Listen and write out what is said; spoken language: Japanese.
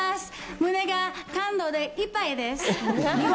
胸が感動でいっぱいです！